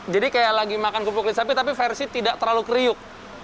jadi kayak lagi makan kerupuk kulit sapi tapi versi tidak terlalu kriuk